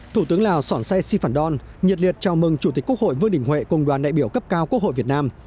thủ tướng lào sỏn say sĩ phan đòn nhiệt liệt chào mừng chủ tịch quốc hội vương đình huệ cùng đoàn đại biểu cấp cao quốc hội việt nam